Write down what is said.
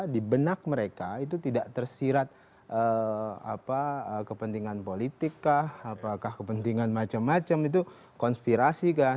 di benak mereka itu tidak tersirat kepentingan politik kah apakah kepentingan macam macam itu konspirasi kah